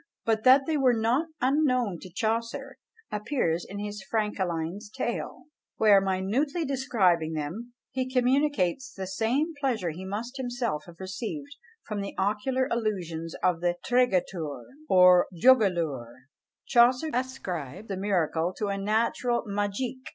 But that they were not unknown to Chaucer, appears in his "Frankelein's Tale," where, minutely describing them, he communicates the same pleasure he must himself have received from the ocular illusions of "the Tregetoure," or "Jogelour." Chaucer ascribes the miracle to a "naturall magique!"